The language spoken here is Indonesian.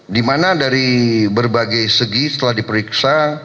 di mana dari berbagai segi setelah diperiksa